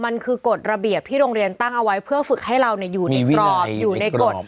มันคือกฎระเบียบที่โรงเรียนตั้งเอาไว้เพื่อฝึกให้เราอยู่ในกรอบอยู่ในกฎ